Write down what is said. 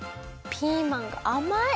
ピーマンがあまい！